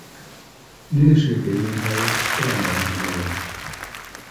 Wnes i ddim mwynhau'r ddrama rhyw lawer.